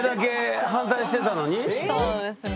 そうそうですね。